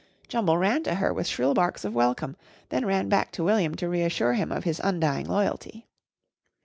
Jumble ran to her with shrill barks of welcome, then ran back to William to reassure him of his undying loyalty.